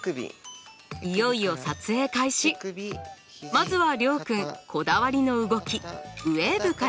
まずは諒君こだわりの動きウエーブから。